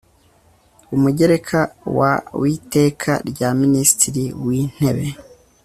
umugereka wa witeka rya minisitiri wintebe